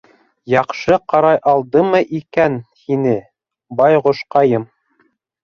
Яҡшы ҡарай алдыммы икән һине, байғошҡайым.